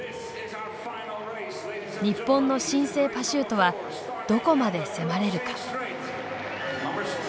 日本の新生パシュートはどこまで迫れるか。